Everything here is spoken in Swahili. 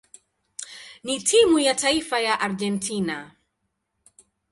na timu ya taifa ya Argentina.